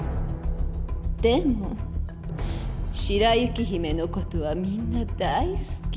でも白雪姫の事はみんな大好き。